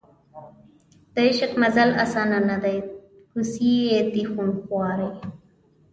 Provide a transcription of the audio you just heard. د عشق مزل اسان نه دی کوڅې یې دي خونخوارې